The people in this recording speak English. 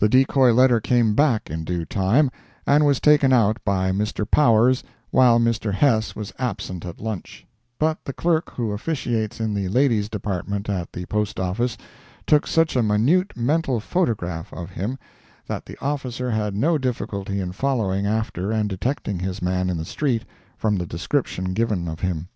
The decoy letter came back in due time, and was taken out by Mr. Powers while Mr. Hess was absent at lunch, but the clerk who officiates in the ladies' department at the Post Office took such a minute mental photograph of him, that the officer had no difficulty in following after and detecting his man in the street, from the description given of him.